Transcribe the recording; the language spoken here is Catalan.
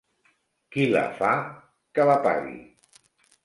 Qui la fa que la pagui.